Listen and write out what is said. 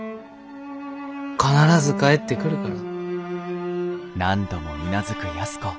必ず帰ってくるから。